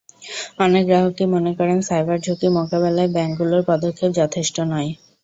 অনেক গ্রাহকই মনে করেন, সাইবার ঝুঁকি মোকাবিলায় ব্যাংকগুলোর পদক্ষেপ যথেষ্ট নয়।